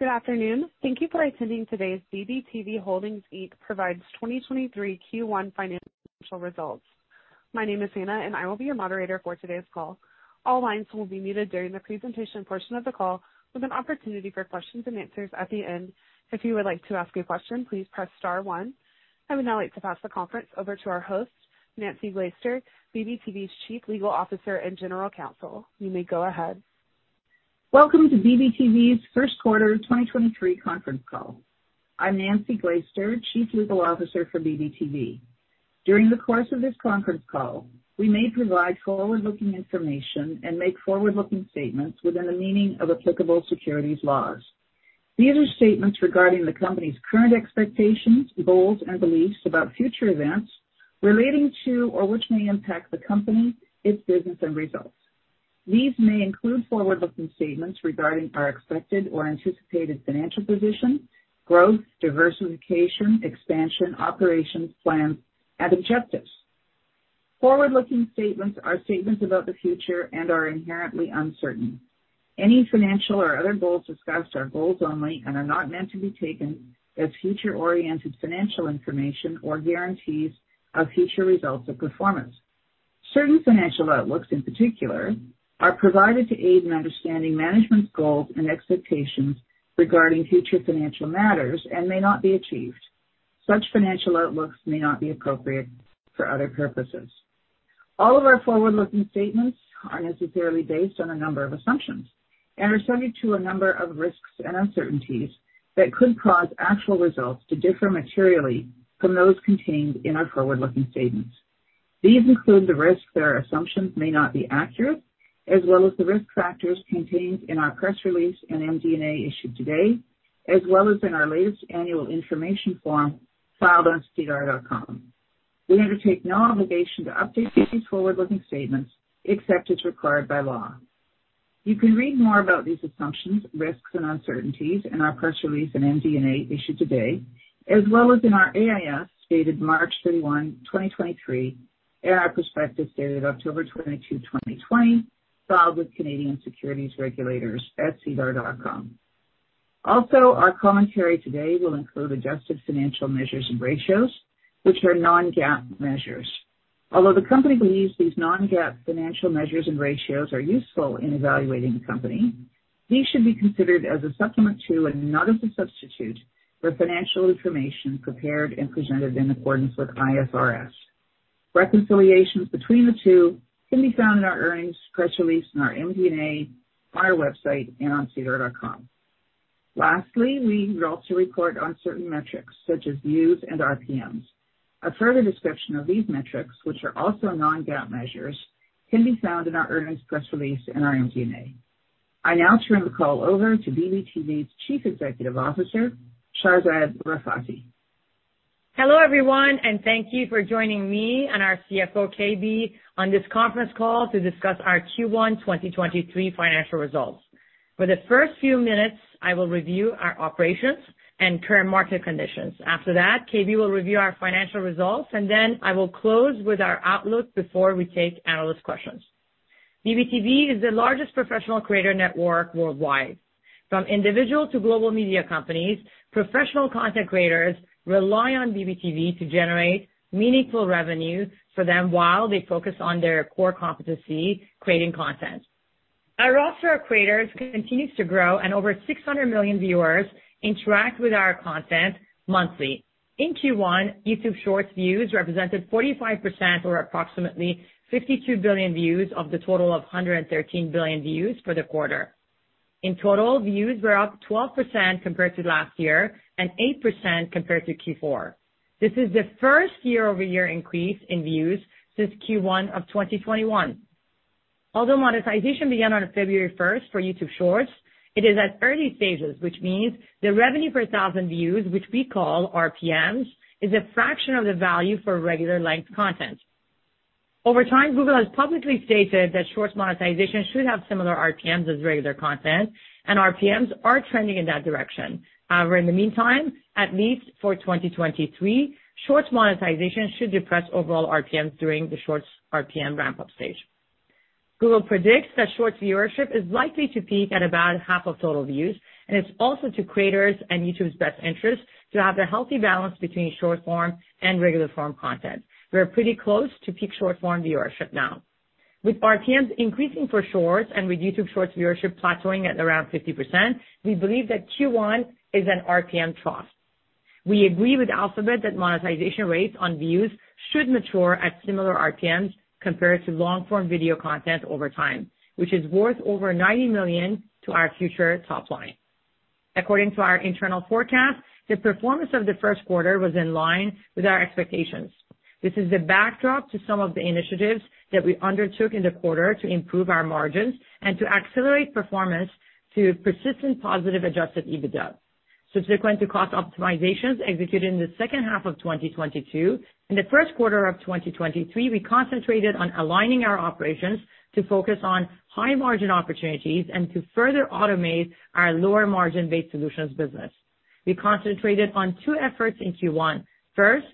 Good afternoon. Thank you for attending today's BBTV Holdings Inc provides 2023 Q1 financial results. My name is Hannah, and I will be your moderator for today's call. All lines will be muted during the presentation portion of the call with an opportunity for questions and answers at the end. If you would like to ask a question, please press star one. I would now like to pass the conference over to our host, Nancy Glaister, BBTV's Chief Legal Officer and General Counsel. You may go ahead. Welcome to BBTV's First Quarter 2023 Conference Call. I'm Nancy Glaister, Chief Legal Officer for BBTV. During the course of this conference call, we may provide forward-looking information and make forward-looking statements within the meaning of applicable securities laws. These are statements regarding the company's current expectations, goals, and beliefs about future events relating to or which may impact the company, its business, and results. These may include forward-looking statements regarding our expected or anticipated financial position, growth, diversification, expansion, operations, plans, and objectives. Forward-looking statements are statements about the future and are inherently uncertain. Any financial or other goals discussed are goals only and are not meant to be taken as future-oriented financial information or guarantees of future results or performance. Certain financial outlooks, in particular, are provided to aid in understanding management's goals and expectations regarding future financial matters and may not be achieved. Such financial outlooks may not be appropriate for other purposes. All of our forward-looking statements are necessarily based on a number of assumptions and are subject to a number of risks and uncertainties that could cause actual results to differ materially from those contained in our forward-looking statements. These include the risk their assumptions may not be accurate, as well as the risk factors contained in our press release and MD&A issued today, as well as in our latest Annual Information Form filed on SEDAR.com. We undertake no obligation to update these forward-looking statements except as required by law. You can read more about these assumptions, risks, and uncertainties in our press release and MD&A issued today, as well as in our AIS, dated March 31, 2023, and our prospectus dated October 22, 2020, filed with Canadian Securities Regulators at SEDAR.com. Also, our commentary today will include adjusted financial measures and ratios, which are non-GAAP measures. Although the company believes these non-GAAP financial measures and ratios are useful in evaluating the company, these should be considered as a supplement to and not as a substitute for financial information prepared and presented in accordance with IFRS. Reconciliations between the two can be found in our earnings press release and our MD&A on our website and on SEDAR.com. Lastly, we also report on certain metrics such as views and RPMs. A further description of these metrics, which are also non-GAAP measures, can be found in our earnings press release and our MD&A. I now turn the call over to BBTV's Chief Executive Officer, Shahrzad Rafati. Hello, everyone, and thank you for joining me and our CFO, KB, on this conference call to discuss our Q1 2023 financial results. For the first few minutes, I will review our operations and current market conditions. After that, KB will review our financial results, and then I will close with our outlook before we take analyst questions. BBTV is the largest professional creator network worldwide. From individual to global media companies, professional content creators rely on BBTV to generate meaningful revenue for them while they focus on their core competency, creating content. Our roster of creators continues to grow, and over 600 million viewers interact with our content monthly. In Q1, YouTube Shorts views represented 45% or approximately 52 billion views of the total of 113 billion views for the quarter. In total, views were up 12% compared to last year and 8% compared to Q4. This is the first year-over-year increase in views since Q1 of 2021. Although monetization began on February 1 for YouTube Shorts, it is at early stages, which means the revenue per thousand views, which we call RPMs, is a fraction of the value for regular length content. Over time, Google has publicly stated that Shorts monetization should have similar RPMs as regular content, and RPMs are trending in that direction. In the meantime, at least for 2023, Shorts monetization should depress overall RPMs during the Shorts RPM ramp-up stage. Google predicts that Shorts viewership is likely to peak at about half of total views, and it's also to creators and YouTube's best interest to have the healthy balance between short form and regular form content. We are pretty close to peak short form viewership now. With RPMs increasing for Shorts and with YouTube Shorts viewership plateauing at around 50%, we believe that Q1 is an RPM trough. We agree with Alphabet that monetization rates on views should mature at similar RPMs compared to long-form video content over time, which is worth over $90 million to our future top line. According to our internal forecast, the performance of the first quarter was in line with our expectations. This is the backdrop to some of the initiatives that we undertook in the quarter to improve our margins and to accelerate performance to persistent positive Adjusted EBITDA. Subsequent to cost optimizations executed in the second half of 2022, in the first quarter of 2023, we concentrated on aligning our operations to focus on high margin opportunities and to further automate our lower margin Base Solutions business. We concentrated on two efforts in Q1. First,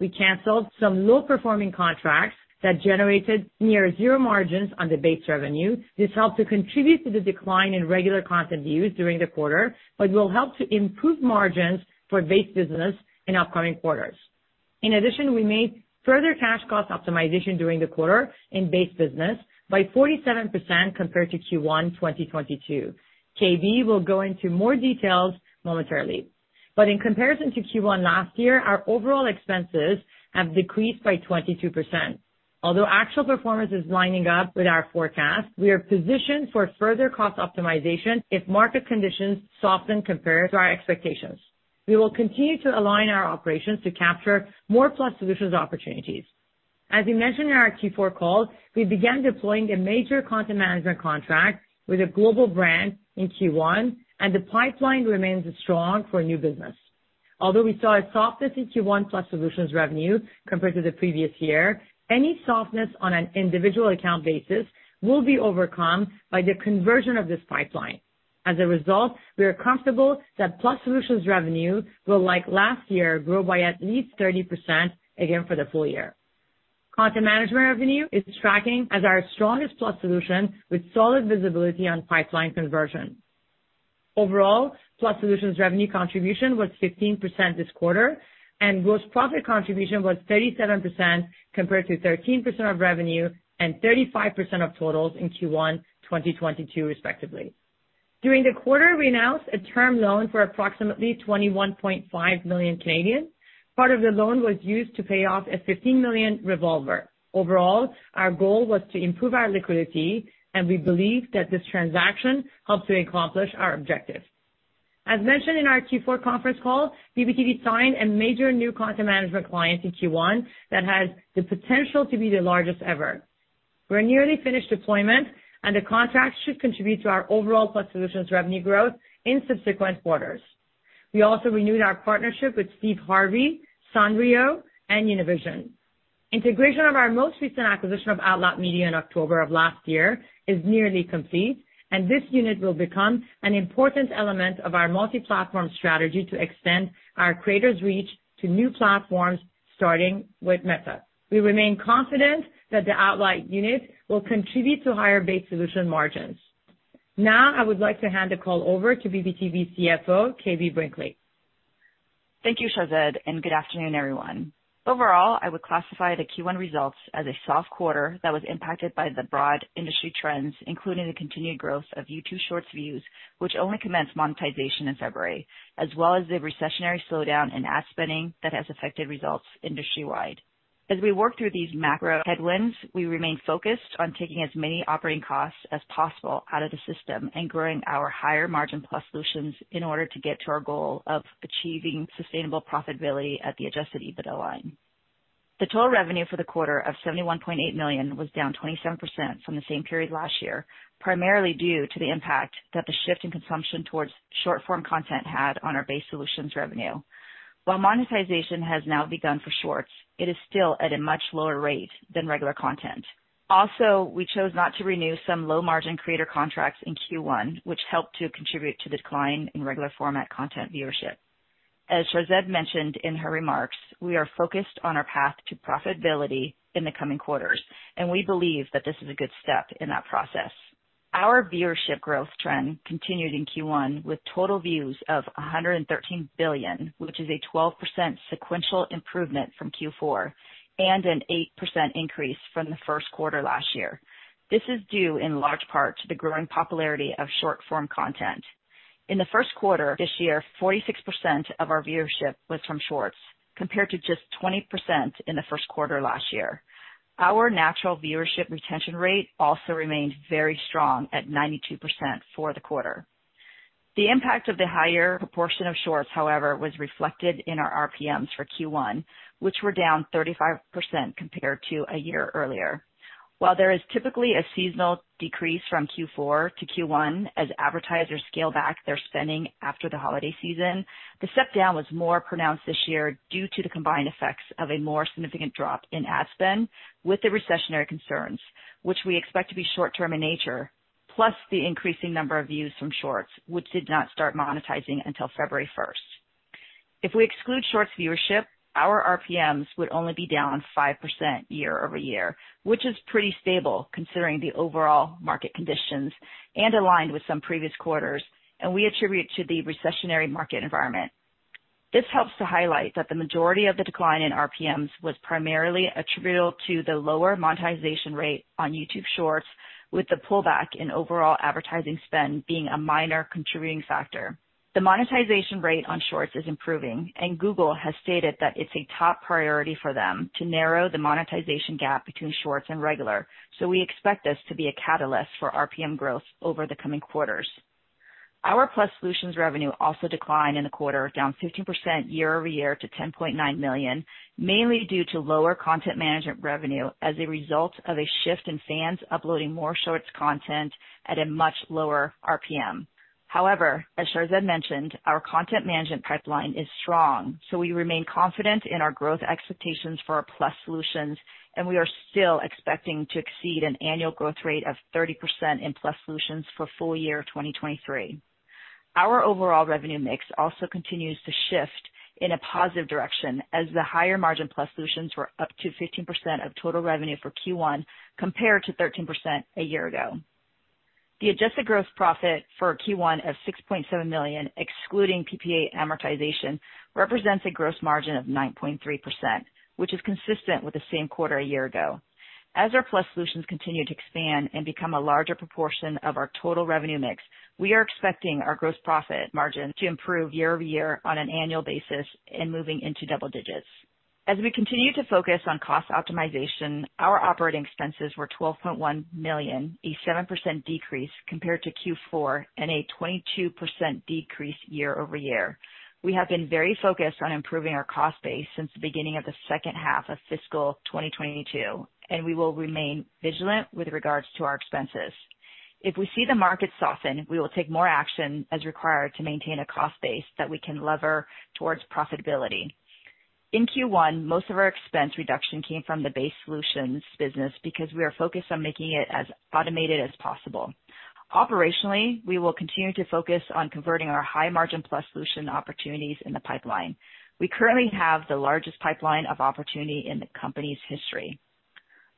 we canceled some low-performing contracts that generated near zero margins on the base revenue. This helped to contribute to the decline in regular content views during the quarter, but will help to improve margins for base business in upcoming quarters. In addition, we made further cash cost optimization during the quarter in base business by 47% compared to Q1 2022. KB will go into more details momentarily. In comparison to Q1 last year, our overall expenses have decreased by 22%. Although actual performance is lining up with our forecast, we are positioned for further cost optimization if market conditions soften compared to our expectations. We will continue to align our operations to capture more Plus Solutions opportunities. As we mentioned in our Q4 call, we began deploying a major Content Management contract with a global brand in Q1, and the pipeline remains strong for new business. Although we saw a softness in Q1 Plus Solutions revenue compared to the previous year, any softness on an individual account basis will be overcome by the conversion of this pipeline. As a result, we are comfortable that Plus Solutions revenue will, like last year, grow by at least 30% again for the full year. Content Management revenue is tracking as our strongest Plus Solution with solid visibility on pipeline conversion. Overall, Plus Solutions revenue contribution was 15% this quarter, and gross profit contribution was 37% compared to 13% of revenue and 35% of totals in Q1, 2022 respectively. During the quarter, we announced a term loan for approximately 21.5 million. Part of the loan was used to pay off a $15 million revolver. Overall, our goal was to improve our liquidity, and we believe that this transaction helps to accomplish our objective. As mentioned in our Q4 conference call, BBTV signed a major new Content Management client in Q1 that has the potential to be the largest ever. We're nearly finished deployment, and the contract should contribute to our overall Plus Solutions revenue growth in subsequent quarters. We also renewed our partnership with Steve Harvey, Sanrio, and Univision. Integration of our most recent acquisition of Outloud Media in October of last year is nearly complete, and this unit will become an important element of our multi-platform strategy to extend our creators reach to new platforms, starting with Meta. We remain confident that the Outloud unit will contribute to higher Base Solutions margins. Now I would like to hand the call over to BBTV CFO, KB Brinkley. Thank you, Shahrzad, and good afternoon, everyone. Overall, I would classify the Q1 results as a soft quarter that was impacted by the broad industry trends, including the continued growth of YouTube Shorts views, which only commenced monetization in February, as well as the recessionary slowdown in ad spending that has affected results industry-wide. As we work through these macro headwinds, we remain focused on taking as many operating costs as possible out of the system and growing our higher-margin Plus Solutions in order to get to our goal of achieving sustainable profitability at the Adjusted EBITDA line. The total revenue for the quarter of $71.8 million was down 27% from the same period last year, primarily due to the impact that the shift in consumption towards short-form content had on our Base Solutions revenue. While monetization has now begun for Shorts, it is still at a much lower rate than regular content. We chose not to renew some low-margin creator contracts in Q1, which helped to contribute to the decline in regular format content viewership. As Shahrzad mentioned in her remarks, we are focused on our path to profitability in the coming quarters, and we believe that this is a good step in that process. Our viewership growth trend continued in Q1 with total views of 113 billion, which is a 12% sequential improvement from Q4 and an 8% increase from the first quarter last year. This is due in large part to the growing popularity of short-form content. In the first quarter this year, 46% of our viewership was from Shorts, compared to just 20% in the first quarter last year. Our natural viewership retention rate also remained very strong at 92% for the quarter. The impact of the higher proportion of Shorts, however, was reflected in our RPMs for Q1, which were down 35% compared to a year earlier. While there is typically a seasonal decrease from Q4 to Q1 as advertisers scale back their spending after the holiday season, the step-down was more pronounced this year due to the combined effects of a more significant drop in ad spend with the recessionary concerns, which we expect to be short-term in nature, plus the increasing number of views from Shorts, which did not start monetizing until February 1st. If we exclude Shorts viewership, our RPMs would only be down 5% year-over-year, which is pretty stable considering the overall market conditions and aligned with some previous quarters, and we attribute to the recessionary market environment. This helps to highlight that the majority of the decline in RPMs was primarily attributable to the lower monetization rate on YouTube Shorts, with the pullback in overall advertising spend being a minor contributing factor. The monetization rate on Shorts is improving, and Google has stated that it's a top priority for them to narrow the monetization gap between Shorts and regular, so we expect this to be a catalyst for RPM growth over the coming quarters. Our Plus Solutions revenue also declined in the quarter, down 15% year-over-year to $10.9 million, mainly due to lower Content Management revenue as a result of a shift in fans uploading more Shorts content at a much lower RPM. As Shahrzad mentioned, our Content Management pipeline is strong, so we remain confident in our growth expectations for our Plus Solutions, and we are still expecting to exceed an annual growth rate of 30% in Plus Solutions for full year 2023. Our overall revenue mix also continues to shift in a positive direction as the higher margin Plus Solutions were up to 15% of total revenue for Q1 compared to 13% a year ago. The adjusted gross profit for Q1 of $6.7 million, excluding PPA amortization, represents a gross margin of 9.3%, which is consistent with the same quarter a year ago. Our Plus Solutions continue to expand and become a larger proportion of our total revenue mix, we are expecting our gross profit margin to improve year-over-year on an annual basis in moving into double digits. As we continue to focus on cost optimization, our operating expenses were $12.1 million, a 7% decrease compared to Q4 and a 22% decrease year-over-year. We have been very focused on improving our cost base since the beginning of the second half of fiscal 2022, and we will remain vigilant with regards to our expenses. If we see the market soften, we will take more action as required to maintain a cost base that we can lever towards profitability. In Q1, most of our expense reduction came from the Base Solutions business because we are focused on making it as automated as possible. Operationally, we will continue to focus on converting our high-margin Plus Solutions opportunities in the pipeline. We currently have the largest pipeline of opportunity in the company's history.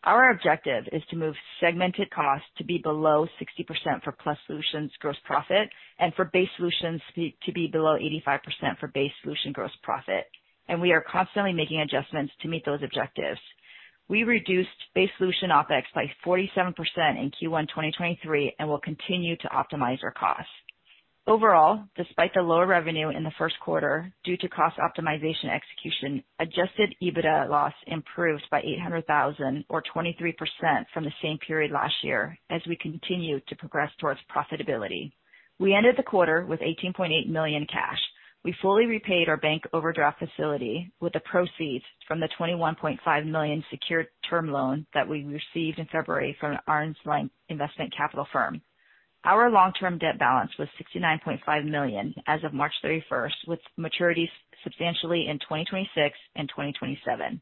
Our objective is to move segmented costs to be below 60% for Plus Solutions gross profit and for Base Solutions to be below 85% for Base Solutions gross profit. We are constantly making adjustments to meet those objectives. We reduced Base Solutions OpEx by 47% in Q1 2023 and will continue to optimize our costs. Overall, despite the lower revenue in the first quarter due to cost optimization execution, Adjusted EBITDA loss improved by $800,000 or 23% from the same period last year as we continue to progress towards profitability. We ended the quarter with $18.8 million cash. We fully repaid our bank overdraft facility with the proceeds from the 21.5 million secured term loan that we received in February from an arm's length investment capital firm. Our long-term debt balance was $69.5 million as of March 31st, with maturities substantially in 2026 and 2027.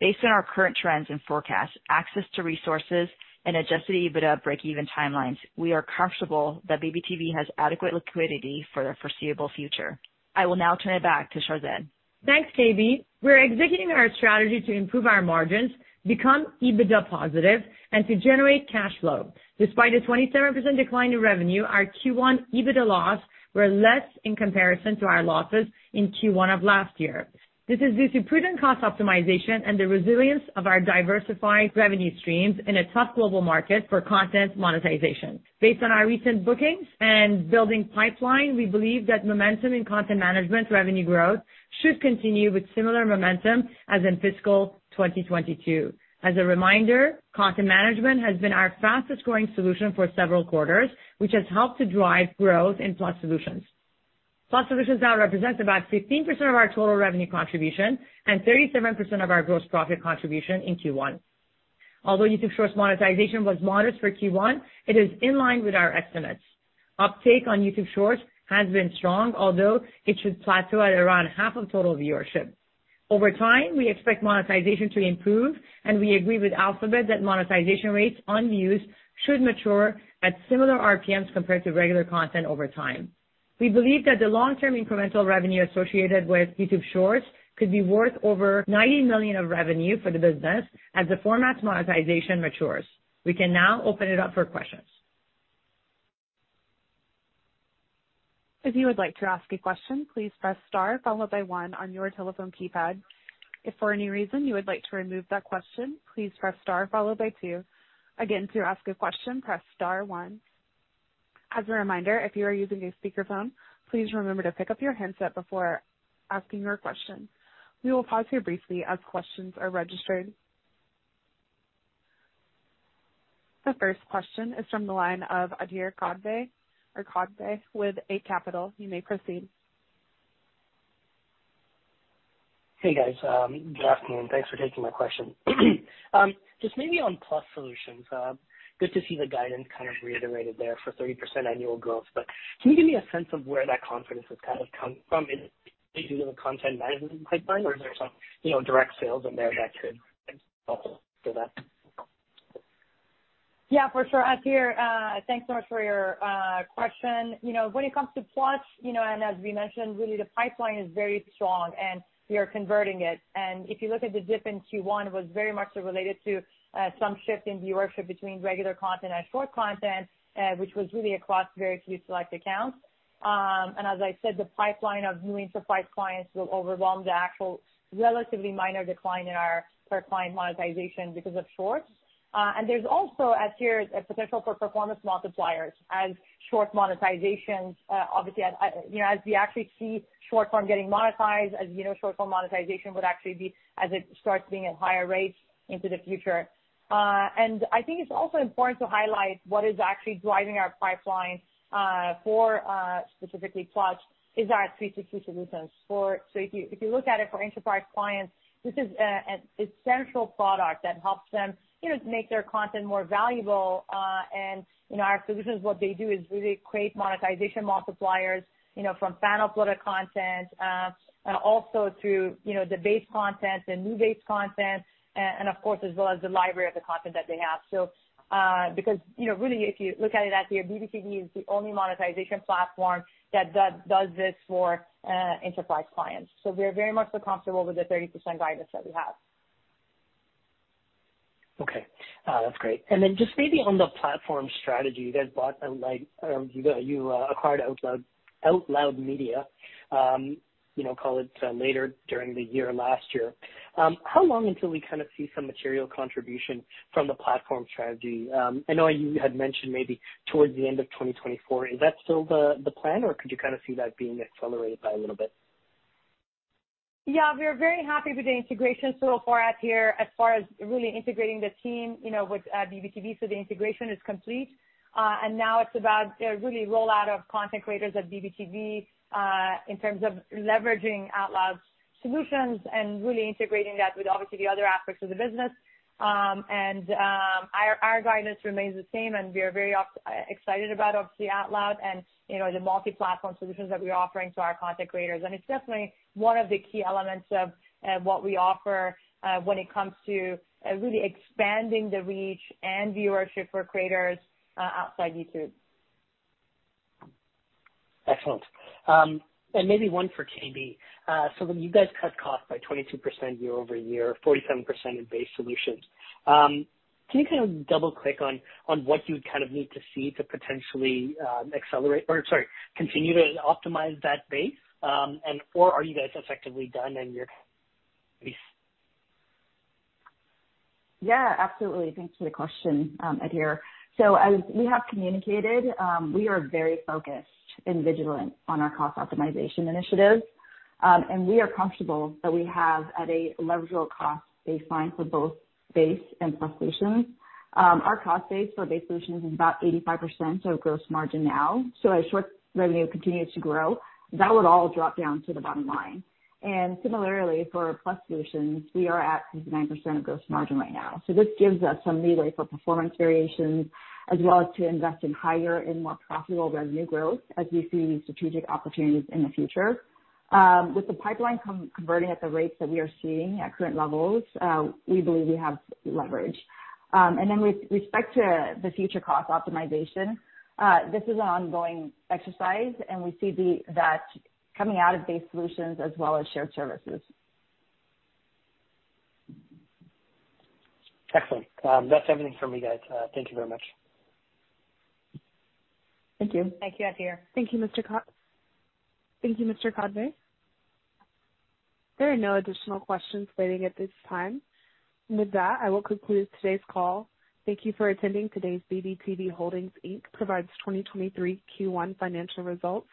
Based on our current trends and forecasts, access to resources and Adjusted EBITDA breakeven timelines, we are comfortable that BBTV has adequate liquidity for the foreseeable future. I will now turn it back to Sharzad. Thanks, KB. We're executing our strategy to improve our margins, become EBITDA positive, and to generate cash flow. Despite a 27% decline in revenue, our Q1 EBITDA loss were less in comparison to our losses in Q1 of last year. This is due to prudent cost optimization and the resilience of our diversified revenue streams in a tough global market for content monetization. Based on our recent bookings and building pipeline, we believe that momentum in Content Management revenue growth should continue with similar momentum as in fiscal 2022. As a reminder, Content Management has been our fastest growing solution for several quarters, which has helped to drive growth in Plus Solutions. Plus Solutions now represents about 15% of our total revenue eontribution and 37% of our gross profit contribution in Q1. YouTube Shorts monetization was modest for Q1, it is in line with our estimates. Uptake on YouTube Shorts has been strong, although it should plateau at around half of total viewership. Over time, we expect monetization to improve. We agree with Alphabet that monetization rates on views should mature at similar RPMs compared to regular content over time. We believe that the long-term incremental revenue associated with YouTube Shorts could be worth over $90 million of revenue for the business as the format's monetization matures. We can now open it up for questions. If you would like to ask a question, please press star followed by one on your telephone keypad. If for any reason you would like to remove that question, please press star followed by two. Again, to ask a question, press star one. As a reminder, if you are using a speakerphone, please remember to pick up your handset before asking your question. We will pause here briefly as questions are registered. The first question is from the line of Suthan Sukumar with Eight Capital. You may proceed. Hey, guys, good afternoon. Thanks for taking my question. Just maybe on Plus Solutions, good to see the guidance kind of reiterated there for 30% annual growth. Can you give me a sense of where that confidence has kind of come from? Is it due to the Content Management pipeline, or is there some, you know, direct sales in there that could also do that? Yeah, for sure. Suthan, thanks so much for your question. You know, when it comes to Plus, you know, as we mentioned, really the pipeline is very strong, and we are converting it. If you look at the dip in Q1, it was very much related to some shift in viewership between regular content and short content, which was really across very few select accounts. As I said, the pipeline of new enterprise clients will overwhelm the actual relatively minor decline in our per client monetization because of Shorts. There's also, Suthan, a potential for performance multipliers as Shorts monetization, obviously, as, you know, we actually see short form getting monetized, as, you know, short form monetization would actually be as it starts being at higher rates into the future. I think it's also important to highlight what is actually driving our pipeline for specifically Plus is our C2C solutions for... If you look at it for enterprise clients, this is an essential product that helps them, you know, make their content more valuable. Our solutions, what they do is really create monetization multipliers, you know, from fan uploaded content also through, you know, the base content, the new base content, and of course, as well as the library of the content that they have. Because, you know, really, if you look at it, Suthan, BBTV is the only monetization platform that does this for enterprise clients. We are very much so comfortable with the 30% guidance that we have. Okay. That's great. Just maybe on the platform strategy, you guys bought, like, you acquired Outloud Media, you know, call it later during the year last year. How long until we kind of see some material contribution from the platform strategy? I know you had mentioned maybe towards the end of 2024. Is that still the plan, or could you kind of see that being accelerated by a little bit? Yeah, we are very happy with the integration so far out here as far as really integrating the team, you know, with BBTV. The integration is complete. Now it's about the really rollout of content creators at BBTV in terms of leveraging Outloud's solutions and really integrating that with obviously the other aspects of the business. Our guidance remains the same, and we are very excited about obviously Outloud and, you know, the multi-platform solutions that we're offering to our content creators. It's definitely one of the key elements of what we offer when it comes to really expanding the reach and viewership for creators outside YouTube. Excellent. Maybe one for KB Brinkley. When you guys cut costs by 22% year-over-year, 47% in Base Solutions, can you kind of double click on what you would kind of need to see to potentially accelerate or, sorry, continue to optimize that base? Are you guys effectively done in your base? Yeah, absolutely. Thanks for the question, Eric Martinuzzi. As we have communicated, we are very focused and vigilant on our cost optimization initiatives. We are comfortable that we have at a leverage over cost baseline for both Base Solutions and Plus Solutions. Our cost base for Base Solutions is about 85% of gross margin now. As short revenue continues to grow, that would all drop down to the bottom line. Similarly for Plus Solutions, we are at 69% of gross margin right now. This gives us some leeway for performance variations as well as to invest in higher and more profitable revenue growth as we see strategic opportunities in the future. With the pipeline converting at the rates that we are seeing at current levels, we believe we have leverage. Then with respect to the future cost optimization, this is an ongoing exercise, and we see that coming out of Base Solutions as well as shared services. Excellent. That's everything for me, guys. Thank you very much. Thank you. Thank you, Eric Martinuzzi. Thank you, Mr. Sukumar. There are no additional questions waiting at this time. With that, I will conclude today's call. Thank you for attending today's BBTV Holdings Inc. provides 2023 Q1 financial results.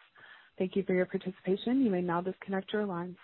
Thank you for your participation. You may now disconnect your lines.